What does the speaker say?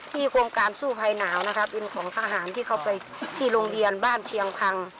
โครงการสู้ภัยหนาวนะครับเป็นของทหารที่เขาไปที่โรงเรียนบ้านเชียงพัง